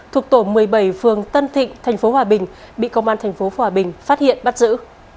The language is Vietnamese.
thuộc tổ một mươi bảy phường tân thịnh tp hòa bình bị công an thành phố hòa bình phát hiện bắt giữ